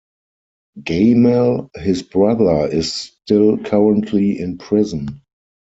Gamal, his brother is still currently in prison.